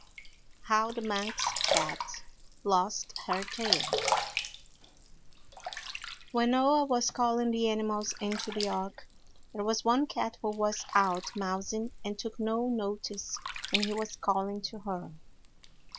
HOW THE MANX CAT LOST HER TAIL When Noah was calling the animals into the Ark, there was one cat who was out mousing and took no notice when he was calling to her.